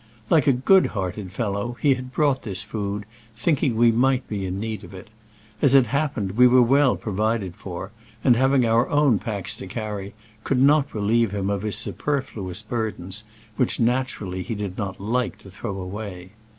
Like a good hearted fellow, he had brought this food, thinking we might be in need of it. As it happened, we were well provided for, and, having our own packs to carry, could not relieve him of his superfluous burdens, which, natural ^ ly, he did not like to throw away.